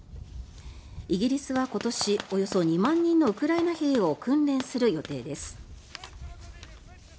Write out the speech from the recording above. イギリスは今年、およそ２万人のウクライナ兵を訓練する予定です。